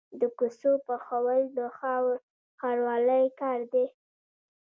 د کوڅو پخول د ښاروالۍ کار دی